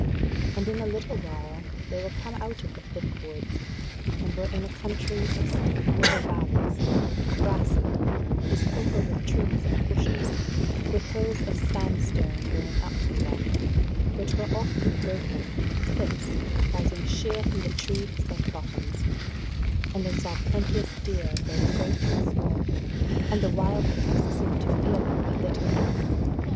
And in a little while they were come out of the thick woods and were in a country of steep little valleys, grassy, besprinkled with trees and bushes, with hills of sandstone going up from them, which were often broken into cliffs rising sheer from the tree beset bottoms: and they saw plenteous deer both great and small, and the wild things seemed to fear them but little.